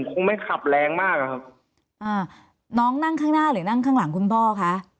คงไม่ขับแรงมากอะครับอ่าน้องนั่งข้างหน้าหรือนั่งข้างหลังคุณพ่อคะ